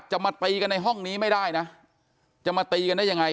จะมาตีกันในห้องนี้ไม่ได้นะจะมาตีกันได้ยังไง